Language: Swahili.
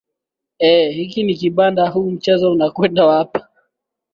ee hiki ni kibanda huu mchezo unakwenda wapi